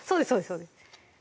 そうです